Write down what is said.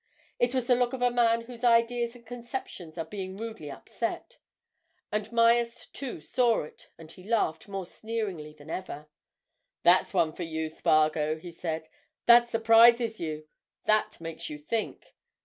It was the look of a man whose ideas and conceptions are being rudely upset. And Myerst, too, saw it and he laughed, more sneeringly than ever. "That's one for you, Spargo!" he said. "That surprises you—that makes you think.